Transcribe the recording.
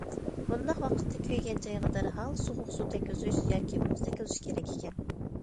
بۇنداق ۋاقىتتا كۆيگەن جايغا دەرھال سوغۇق سۇ تەگكۈزۈش ياكى مۇز تەگكۈزۈش كېرەك ئىكەن.